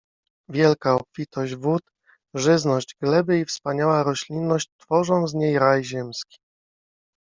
Wielka obfitość wód, żyzność gleby i wspaniała roślinność tworzą z niej raj ziemski.